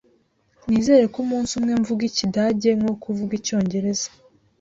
Nizere ko umunsi umwe mvuga Ikidage nkuko uvuga Icyongereza.